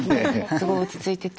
すごい落ち着いてて。